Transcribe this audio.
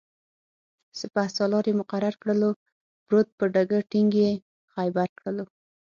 سپه سالار یې مقرر کړلو-پروت په ډکه ټینګ یې خیبر کړلو